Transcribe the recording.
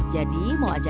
jadi mau ajak